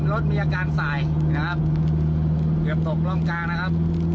รถมีอาการสายนะครับเกือบตกร่องกลางนะครับ